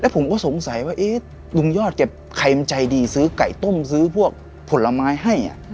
ผมก็สงสัยว่าลุงยอดแกใครมันใจดีซื้อไก่ต้มซื้อพวกผลไม้ให้